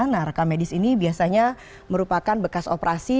nah rekamedis ini biasanya merupakan bekas operasi